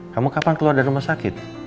kamu kapan keluar dari rumah sakit